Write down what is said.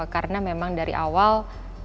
karena memang dari awal